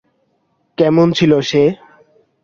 কেমন ছিল সে?